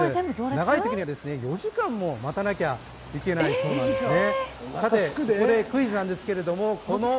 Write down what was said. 長いときには４時間も待たなきゃいけないわけですね。